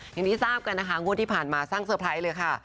อย่างที่ทราบกันนะคะงวดที่ผ่านมาสร้างเซอร์ไพรส์เลยค่ะ